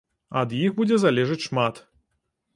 Ад іх будзе залежаць шмат.